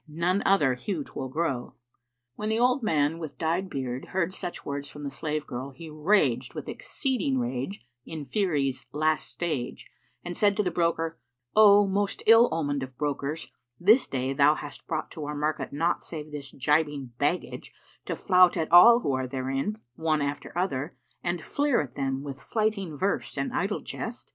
none other hue 'twill grow.'" When the old man with dyed beard heard such words from the slave girl, he raged with exceeding rage in fury's last stage and said to the broker, "O most ill omened of brokers, this day thou hast brought to our market naught save this gibing baggage to flout at all who are therein, one after other, and fleer at them with flyting verse and idle jest?"